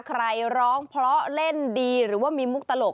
ใครร้องเพราะเล่นดีหรือว่ามีมุกตลก